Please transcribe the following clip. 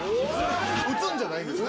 打つんじゃないんですね？